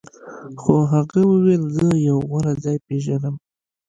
خو هغه وویل زه یو غوره ځای پیژنم